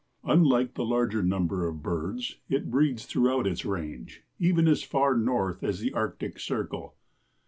Unlike the larger number of birds, it breeds throughout its range, even as far north as the Arctic circle.